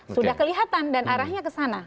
sudah kelihatan dan arahnya ke sana